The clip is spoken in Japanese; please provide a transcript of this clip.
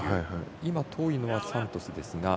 今、遠いのはサントスですが。